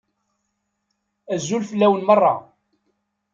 Azul fell-awen meṛṛa!